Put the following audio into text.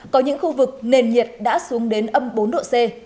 có những khu vực nền nhiệt đã xuống đến âm bốn độ c